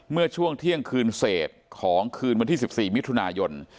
เมื่อช่วงเที่ยงคืนเศษของคืนวันที่๑๔มิถุนายน